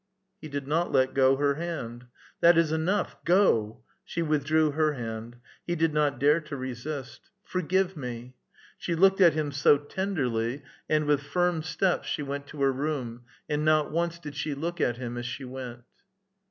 He did not let go her hand. " That is enough ! Go !" She withdrew her hand. He did not dare to resist. " Forgive me !" She looked at him so tenderly, and with firm steps she went to her room, and not once did she look at him as she went.